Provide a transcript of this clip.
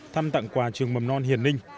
thăm tặng quà trường mầm non hiền ninh